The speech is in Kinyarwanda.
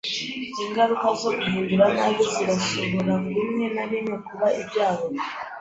Ingaruka zo guhindura nabi zirashobora rimwe na rimwe kuba ibyago.